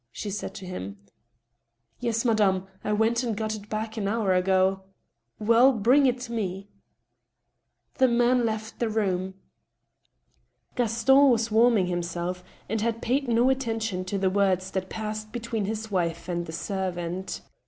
" she said to him. •* Yes, madame ; I went and got it back an hour ago." WeU! Bring it me." The man left the room. Gaston was warming himself, and had paid no attention to the words that passed between his wife and the servant.